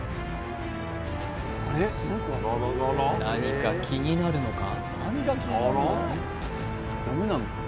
何か気になるのか？